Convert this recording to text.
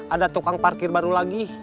ada tukang parkir baru lagi